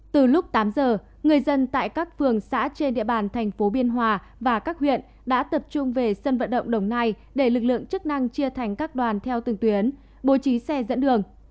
từ lúc tám giờ người dân tại các phường xã trên địa bàn thành phố biên hòa và các huyện đã tập trung về sân vận động đồng nai để lực lượng chức năng chia thành các đoàn theo từng tuyến bố trí xe dẫn đường